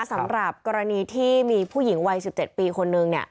สำหรับกรณีที่มีผู้หญิงวัย๑๗ปีคนนึง